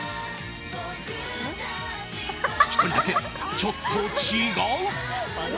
１人だけ、ちょっと違う。